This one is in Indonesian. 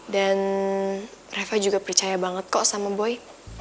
dan reva juga percaya banget kok sama boy